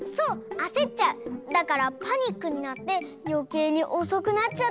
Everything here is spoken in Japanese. だからパニックになってよけいにおそくなっちゃったりするんだ。